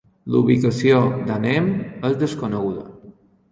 La ubicació d'Anem és desconeguda.